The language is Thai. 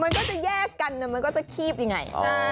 มันก็จะแยกกันมันก็จะคีบยังไง